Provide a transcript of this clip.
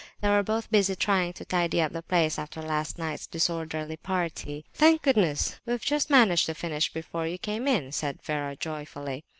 They were both busy trying to tidy up the place after last night's disorderly party. "Thank goodness, we've just managed to finish it before you came in!" said Vera, joyfully.